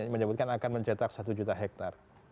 menyebutkan akan mencetak satu juta hektare